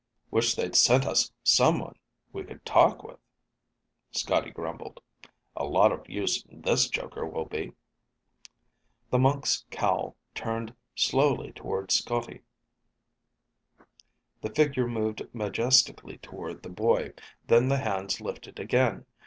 "Wish they'd sent us someone we could talk with," Scotty grumbled. "A lot of use this joker will be!" The monk's cowl turned slowly toward Scotty. The figure moved majestically toward the boy, then the hands lifted again.